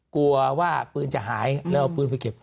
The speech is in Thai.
กลัวว่าปืนจะหายแล้วเอาปืนไปเก็บ